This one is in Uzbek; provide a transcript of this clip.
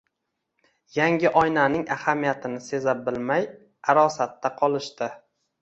yangi oynaning ahamiyatini seza bilmay arosatda qolishdi.